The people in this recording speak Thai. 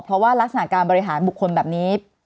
เพราะว่ารักษณะการบริหารบุคคลแบบนี้